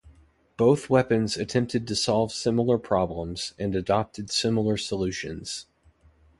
Both weapons attempted to solve similar problems, and adopted similar solutions.